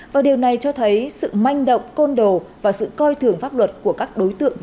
và điều này cho thấy sự manh động côn đồ và sự coi thường pháp luật của các đối tượng